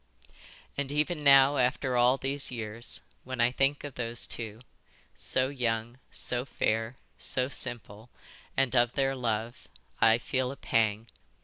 "And even now after all these years, when I think of these two, so young, so fair, so simple, and of their love, I feel a pang.